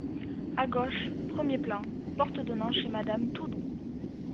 A gauche, premier plan, porte donnant chez madame Toudoux.